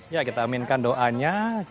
ya kita aminkan doanya